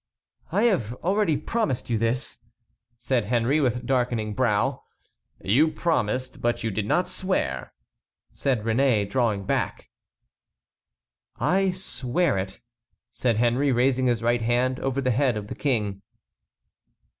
"I have already promised you this," said Henry, with darkening brow. "You promised, but you did not swear," said Réné, drawing back. "I swear it," said Henry, raising his right hand over the head of the King.